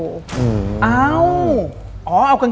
ดิงกระพวน